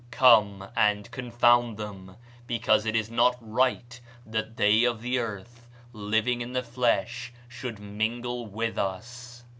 Come and confound them, because it is not right that they of the earth, living in the flesh, should mingle with us.'